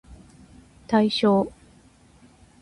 対象